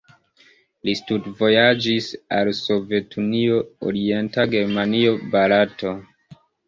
Li studvojaĝis al Sovetunio, Orienta Germanio, Barato.